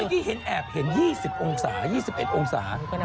นี่เมื่อกี้เห็นแอบเห็น๒๐องศา๒๑องศา